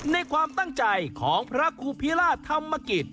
ในความตั้งใจของพระครูพิราชธรรมกิจ